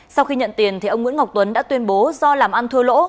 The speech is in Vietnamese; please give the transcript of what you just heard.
sau khi nhận tiền ông nguyễn ngọc tuấn đã tuyên bố do làm ăn thua lỗ